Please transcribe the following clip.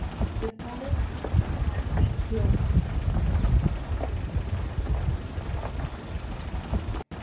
Their post office has been closed.